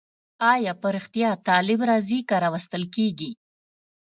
آیا په رښتیا طالب راځي که راوستل کېږي؟